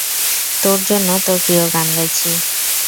তোর জন্য তোর প্রিয় গান গাইছি।